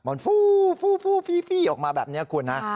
มันฟู้ฟู้ฟู้ฟี้ออกมาแบบนี้คุณนะ